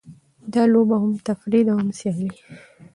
دا لوبه هم تفریح ده؛ هم سیالي.